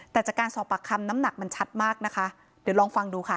แต่จากการสอบปากคำน้ำหนักมันชัดมากนะคะเดี๋ยวลองฟังดูค่ะ